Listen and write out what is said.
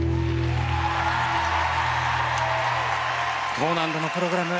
高難度のプログラム